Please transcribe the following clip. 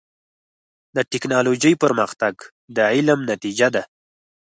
د ټکنالوجۍ پرمختګ د علم نتیجه ده.